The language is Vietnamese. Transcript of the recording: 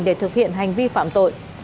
để thực hiện hành vi phạm tội